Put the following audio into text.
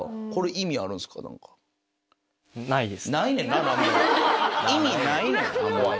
意味ないねん。